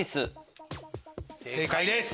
正解です！